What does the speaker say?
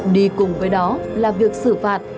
đi cùng với đó là việc xử phạt